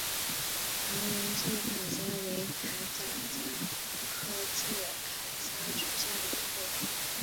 条纹刺铠虾为铠甲虾科刺铠虾属下的一个种。